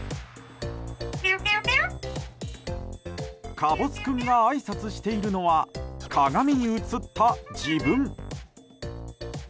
かぼす君があいさつしているのは鏡に映った自分。